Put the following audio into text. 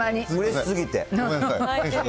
うれしすぎて。